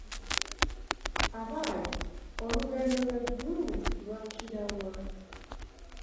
Abaaye, olugendo lw'e Gulu lwakkira wa?